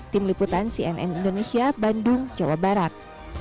tim liputan cnn indonesia bandung jawa barat